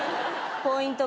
ポイント